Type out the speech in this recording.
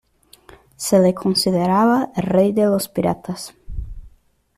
Se le consideraba el rey de los piratas.